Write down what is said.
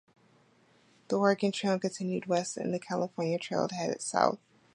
The Oregon Trail continued west and the California Trail headed south.